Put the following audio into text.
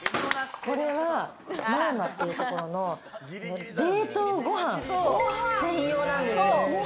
これはマーナっていうところの冷凍ご飯専用なんですよ。